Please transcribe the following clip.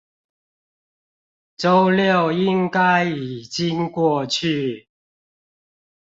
週六應該已經過去